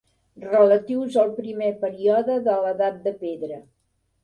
Relatius al primer període de l'edat de pedra.